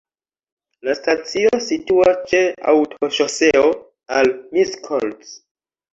La stacio situas ĉe aŭtoŝoseo al Miskolc.